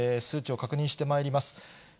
数値を確認してまいります。